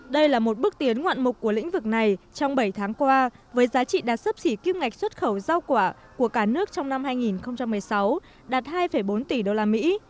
đây là một bước tiến ngoạn mục của lĩnh vực này trong bảy tháng qua với giá trị đạt sấp xỉ kim ngạch xuất khẩu rau quả của cả nước trong năm hai nghìn một mươi sáu đạt hai bốn tỷ đô la mỹ